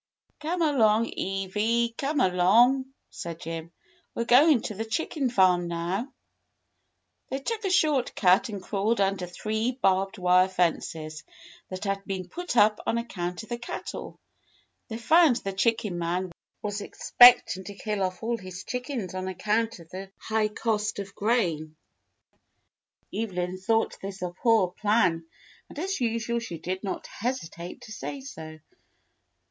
"Come along, Ewy, come along," said Jim, "we're going to the chicken farm now." They took a short cut and crawled under three barbed wire fences that had been put up on account of the cattle. They found the chicken man was ex pecting to kill off all his chickens on account of the THE BIRTHDAY DINNER 95 high cost of grain. Evelyn thought this a poor plan, and as usual she did not hesitate to say so.